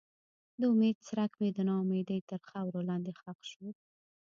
د امید څرک مې د ناامیدۍ تر خاورو لاندې ښخ شو.